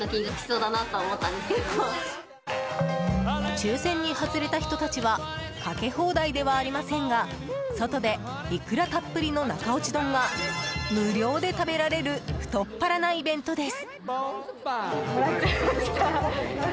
抽選に外れた人たちはかけ放題ではありませんが外でイクラたっぷりの中落ち丼が無料で食べられる太っ腹なイベントです。